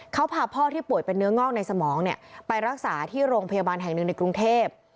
เขาพาพ่อที่ป่วยเป็นเนื้องอกในสมองไปรักษาที่โรงพยาบาลแห่งหนึ่งในกรุงเทพ